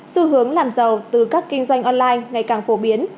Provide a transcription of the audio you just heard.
xu hướng làm giàu từ các kinh doanh online ngày càng phổ biến